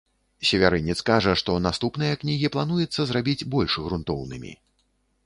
Севярынец кажа, што наступныя кнігі плануецца зрабіць больш грунтоўнымі.